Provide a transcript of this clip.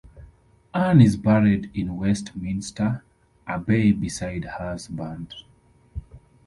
Anne is buried in Westminster Abbey beside her husband.